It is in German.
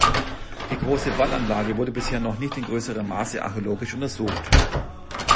Die große Wallanlage wurde bisher noch nicht in größerem Maße archäologisch untersucht.